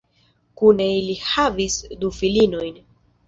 Kune ili havis du filinojn.